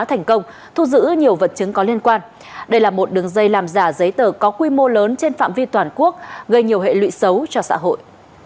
thành công thu giữ nhiều vật chứng có liên quan đây là một đường dây làm giả giấy tờ có quy mô lớn trên phạm vi toàn quốc gây nhiều hệ lụy xấu cho xã hội